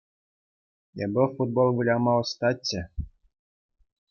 Эпӗ футбол выляма ӑстаччӗ.